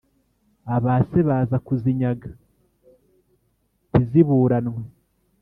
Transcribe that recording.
abase baza kuzinyaga ntiziburanwe